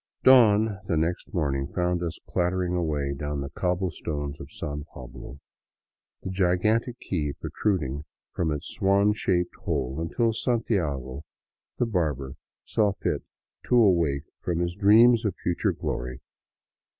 Dawn, the next morning, found us clattering away down the cobble stones of San Pablo, the gigantic key protruding from its swan shaped hole until Santiago, the barber, saw fit to awake from his dreams of future glory.